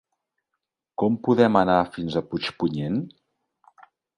Com podem anar fins a Puigpunyent?